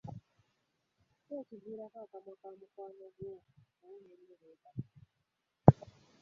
Kiki ekiviirako akamwa ka mukwano gw'okuwunya ennyo bwe kati?